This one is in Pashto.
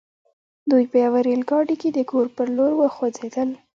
دوی په يوه ريل ګاډي کې د کور پر لور وخوځېدل.